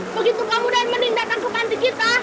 begitu kamu dan mending datang ke kantik kita